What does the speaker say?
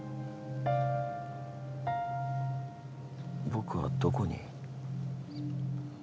僕はどこに？